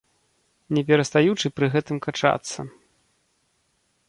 Не перастаючы пры гэтым качацца.